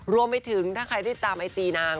รวมไปถึงถ้าใครได้ตามไอจีนาง